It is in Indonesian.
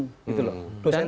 dosen saya itu pak amin